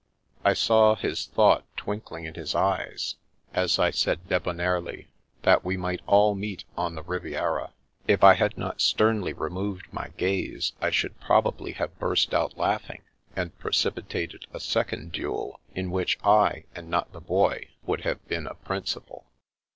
I saw his thought twinkling in his eyes, as I said debonairly that we might all meet on the Riviera. If I had not sternly removed my gaze, I should probably have burst out laughing, and precipitated a second duel in which I, and not the Boy, would have been a principal.